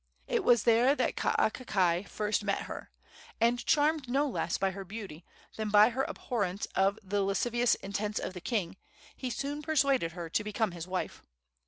It was there that Kaakakai first met her, and, charmed no less by her beauty than her abhorrence of the lascivious intents of the king, he soon persuaded her to become his wife.